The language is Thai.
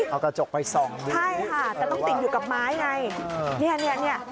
เอากระจกไปส่องดูใช่ค่ะแต่ต้องติดอยู่กับไม้ไงเนี่ย